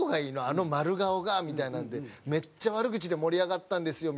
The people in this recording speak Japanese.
あの丸顔が”みたいなのでめっちゃ悪口で盛り上がったんですよ」